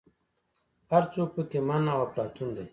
هر څوک په کې من او افلاطون دی.